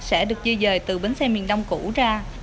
sẽ được di dời từ bến xe miền đông cũ ra